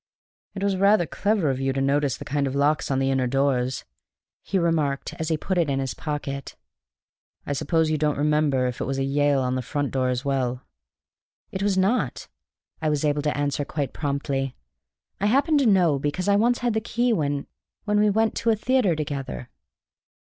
"It was rather clever of you to notice the kind of locks on the inner doors," he remarked as he put it in his pocket. "I suppose you don't remember if it was a Yale on the front door as well?" "It was not," I was able to answer quite promptly. "I happen to know because I once had the key when when we went to a theatre together."